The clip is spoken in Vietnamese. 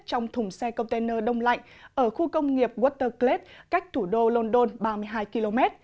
trong thùng xe container đông lạnh ở khu công nghiệp waterclay cách thủ đô london ba mươi hai km